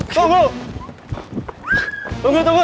tunggu tunggu tunggu